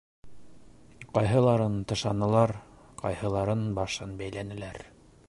Ҡайһыларын тышанылар, ҡайһыларының башын бәйләнеләр.